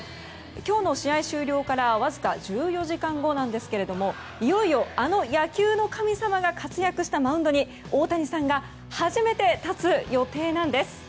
今日の試合終了からわずか１４時間後なんですけどもいよいよあの野球の神様が活躍したマウンドに大谷さんが初めて立つ予定なんです。